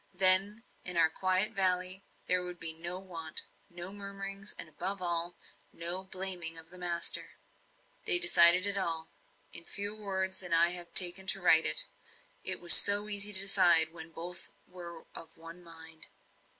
Then in our quiet valley there would be no want, no murmurings, and, above all, no blaming of the master. They decided it all in fewer words than I have taken to write it it was so easy to decide when both were of one mind.